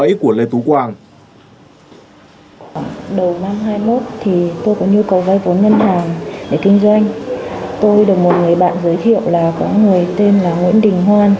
tôi được một người bạn giới thiệu là có người tên là nguyễn đình hoan